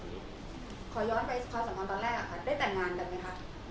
ขอย้อนไปความสัมพันธ์ตอนแรกค่ะได้แต่งงานกันไหมคะ